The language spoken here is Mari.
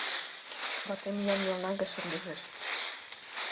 Ватем ӱян мелна гай шыргыжеш.